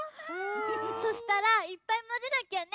そしたらいっぱいまぜなきゃね！